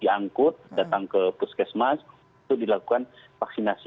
diangkut datang ke puskesmas untuk dilakukan vaksinasi